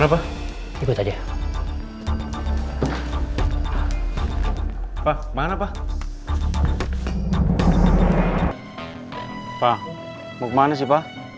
gue bakal dimaksesin